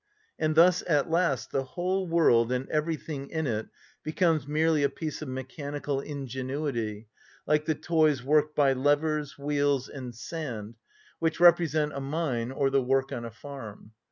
And thus at last the whole world and everything in it becomes merely a piece of mechanical ingenuity, like the toys worked by levers, wheels, and sand, which represent a mine or the work on a farm.